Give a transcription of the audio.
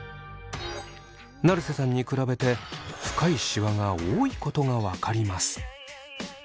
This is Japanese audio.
成瀬さんに比べて深いシワが多いことが分かります。